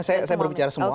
saya berbicara semua